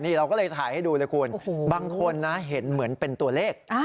เราก็เลยถ่ายให้ดูเลยคุณบางคนนะเห็นเหมือนเป็นตัวเลข